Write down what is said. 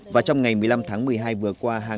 và trong ngày một mươi năm tháng một mươi hai vừa qua